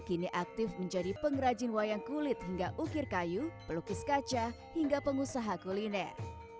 kini aktif menjadi pengrajin wayang kulit hingga ukir kayu pelukis kaca hingga pengusaha kuliner